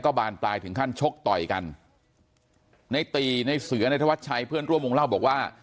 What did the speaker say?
บานปลายถึงขั้นชกต่อยกันในตีในเสือในธวัดชัยเพื่อนร่วมวงเล่าบอกว่า